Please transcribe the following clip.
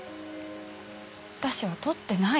私はとってない。